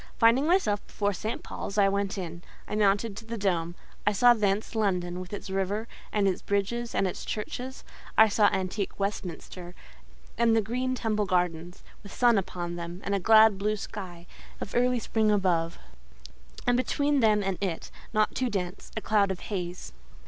Finding myself before St. Paul's, I went in; I mounted to the dome: I saw thence London, with its river, and its bridges, and its churches; I saw antique Westminster, and the green Temple Gardens, with sun upon them, and a glad, blue sky, of early spring above; and between them and it, not too dense, a cloud of haze.